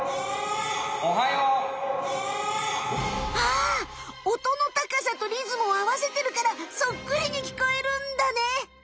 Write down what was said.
あおとの高さとリズムをあわせてるからそっくりに聞こえるんだね。